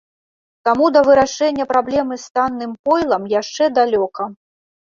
Таму да вырашэння праблемы з танным пойлам яшчэ далёка.